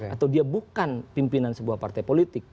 atau dia bukan pimpinan sebuah partai politik